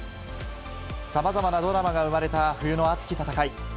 さまざまなドラマが生まれた冬の熱き戦い。